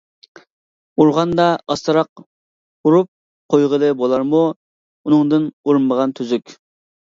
ئۇرغاندا ئاستىراق ئۇرۇپ قويغىلى بولارمۇ؟ ئۇنىڭدىن ئۇرمىغان تۈزۈك.